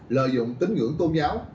lợi dụng tín ngưỡng tôn giáo